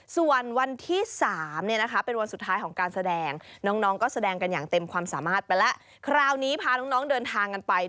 ส่วนวันที่๓เป็นวันสุดท้ายของการแสดง